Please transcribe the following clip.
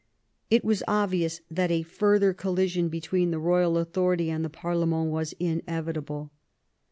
It was obvious that a further collision between the royal authority and the parlement was inevitable.